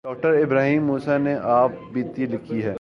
ڈاکٹرابراہیم موسی نے آپ بیتی لکھی ہے۔